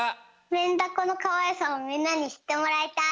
メンダコのかわいさをみんなにしってもらいたい。